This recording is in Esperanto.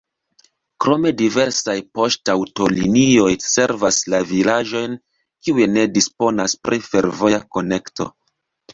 Krome diversaj poŝtaŭtolinioj servas la vilaĝojn, kiuj ne disponas pri fervoja konekto.